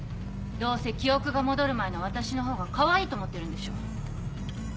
どうせ記憶が戻る前の私のほうがかわいいと思ってるんでしょ。